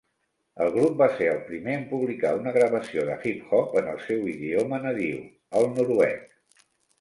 El grup va ser el primer en publicar una gravació de hip-hop en el seu idioma nadiu, el noruec.